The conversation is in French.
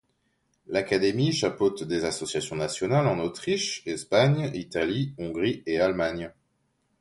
L'académie chapeaute des associations nationales en Autriche, Espagne, Italie, Hongrie et Allemagne.